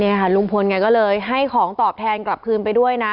นี่ค่ะลุงพลแกก็เลยให้ของตอบแทนกลับคืนไปด้วยนะ